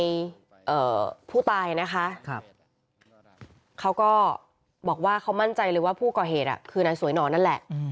ผู้ตายนะคะเขาก็บอกว่าเขามั่นใจเลยว่าผู้ก่อเหตุคือนายสวยหนอนนั่นแหละ